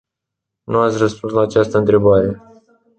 Nu ați răspuns la această întrebare.